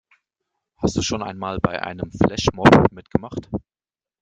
Hast du schon einmal bei einem Flashmob mitgemacht?